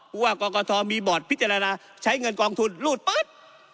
ผู้ว่ากองก่อทอมีบอร์ดพิจารณาใช้เงินกองทุนรูดป๊อด